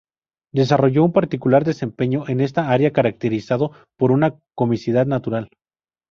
Desarrolló un particular desempeño en esta área caracterizado por una comicidad natural.